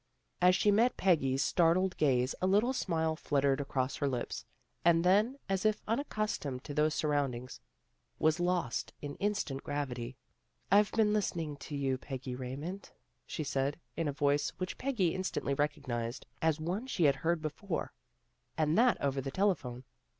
As she met Peggy's startled gaze a little smile flut tered across her lips, and then, as if unaccus tomed to those surroundings, was lost in in stant gravity. " I've been listening to you, Peggy Ray mond," she said, hi a voice which Peggy in stantly recognized as one she had heard be fore, and that over the telephone.